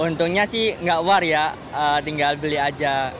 untungnya sih nggak aware ya tinggal beli aja